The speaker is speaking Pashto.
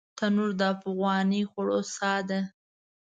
تنور د افغاني خوړو ساه ده